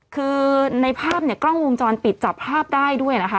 คือในภาพเนี่ยกล้องวงจรปิดจับภาพได้ด้วยนะคะ